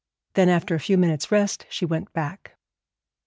Then, after a few minutes' rest, she went back.